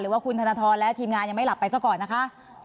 ว่าคุณธนทรและทีมงานยังไม่หลับไปซะก่อนนะคะ